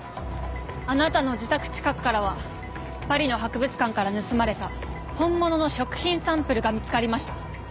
あなたの自宅近くからはパリの博物館から盗まれた本物の食品サンプルが見つかりました。